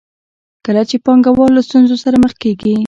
کله چې پانګوال له ستونزو سره مخ کېږي